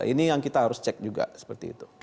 ini yang kita harus cek juga seperti itu